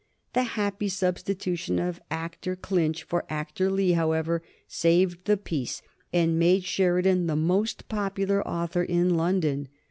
The happy substitution of actor Clinch for actor Lee, however, saved the piece and made Sheridan the most popular author in London.